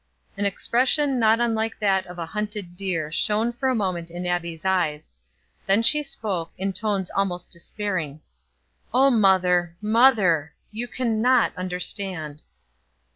An expression not unlike that of a hunted deer shone for a moment in Abbie's eyes. Then she spoke, in tones almost despairing: "O mother, mother, you can not understand."